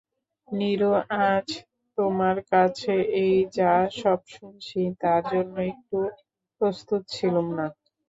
নীরু, আজ তোমার কাছে এই যা-সব শুনছি তার জন্য একটুও প্রস্তুত ছিলুম না।